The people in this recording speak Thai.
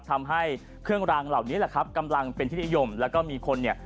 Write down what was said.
ทำให้เครื่องรางเหล่านี้แหละครับกำลังเป็นที่นิยมแล้วก็มีคนเนี่ย